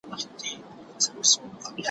زه پرون ليکنې کوم